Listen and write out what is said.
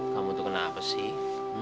kamu tuh kenapa sih